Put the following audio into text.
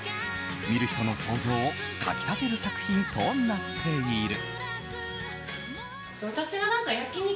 見る人の想像をかき立てる作品となっている。